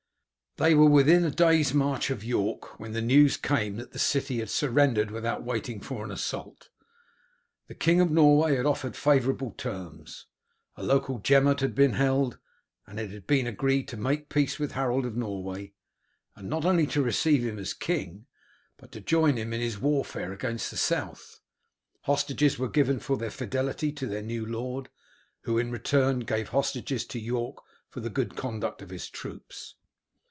They were within a day's march of York when the news came that the city had surrendered without waiting for an assault. The King of Norway had offered favourable terms; a local Gemot had been held, and it had been agreed to make peace with Harold of Norway, and not only to receive him as king but to join him in his warfare against the South. Hostages were given for their fidelity to their new lord, who in return gave hostages to York for the good conduct of his troops.